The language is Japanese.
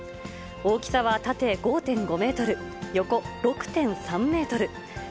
大きさは縦５．５メートル、横６．３メートル。